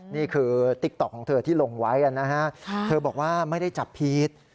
ติ๊กต๊อกของเธอที่ลงไว้นะฮะเธอบอกว่าไม่ได้จับผิด